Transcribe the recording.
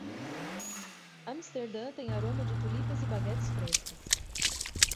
Amsterdã tem aroma de tulipas e baguetes frescas